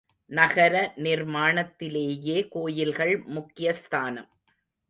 நகர நிர்மாணத்திலேயே கோயில்கள் முக்கியஸ்தானம்.